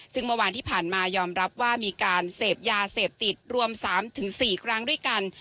ซึ่งเมื่อวานที่ผ่านมายอมรับว่ามีการเสพยาเสพติดรวม๓๔ครั้งด้วยกัน